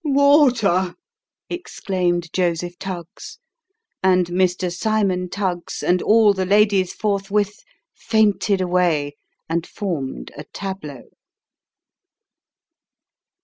" Water !" exclaimed Joseph Tuggs and Mr. Cymon Tuggs and all the ladies forthwith fainted away, and formed a tableau.